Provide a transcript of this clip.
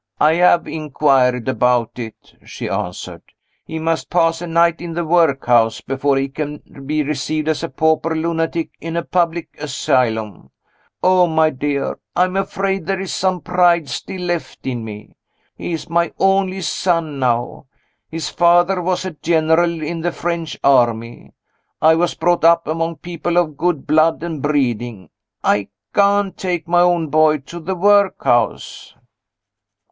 "I have inquired about it," she answered. "He must pass a night in the workhouse before he can be received as a pauper lunatic in a public asylum. Oh, my dear, I am afraid there is some pride still left in me! He is my only son now; his father was a General in the French army; I was brought up among people of good blood and breeding I can't take my own boy to the workhouse!"